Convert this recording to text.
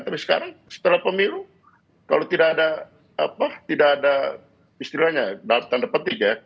tapi sekarang setelah pemilu kalau tidak ada apa tidak ada istilahnya tanda petik ya